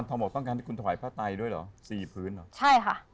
ยังไงฮะ